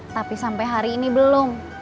tapi sampai hari ini belum